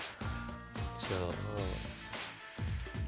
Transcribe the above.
じゃあ。